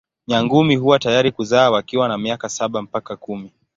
Nyangumi huwa tayari kuzaa wakiwa na miaka saba mpaka kumi.